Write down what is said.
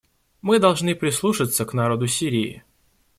Мы должны прислушаться к народу Сирии.